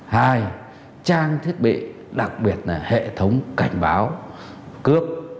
hai trang thiết bị đặc biệt là hệ thống cảnh báo cướp